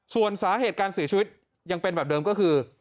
ส่วนสาเหตุการเสียชีวิตยังเป็นแบบเดิมก็คือ